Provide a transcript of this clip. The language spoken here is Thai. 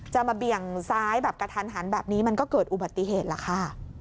มาเบี่ยงซ้ายแบบกระทันหันแบบนี้มันก็เกิดอุบัติเหตุล่ะค่ะ